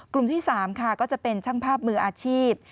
กลุ่มที่๓ค่ะก็จะเป็นช่างภาพมืออาชีพ